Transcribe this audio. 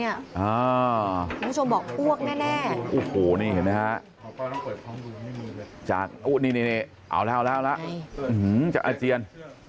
เอ้าผู้ชมบอกอ้วกแน่จากอุ้นี้เอาละจะอาเจียน